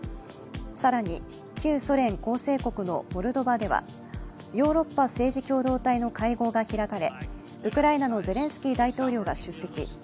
更に旧ソ連構成国のモルドバではヨーロッパ政治共同体の会合が開かれ、ウクライナのゼレンスキー大統領が出席。